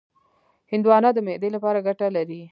هندوانه د معدې لپاره ګټه لري.